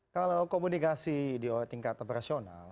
kalau komunikasi di tingkat operasional